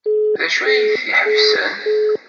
D acu ay t-iḥebsen?